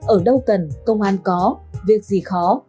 ở đâu cần công an có việc gì khó có công an